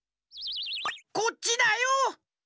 こっちだよ。